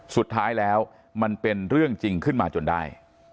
สุดท้ายแล้วมันเป็นเรื่องจริงขึ้นมาจนได้